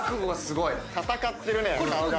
闘ってるね顔が。